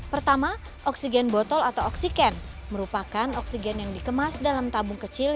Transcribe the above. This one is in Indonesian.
pertama oksigen botol atau oksigen merupakan oksigen yang dikemas dalam tabung kecil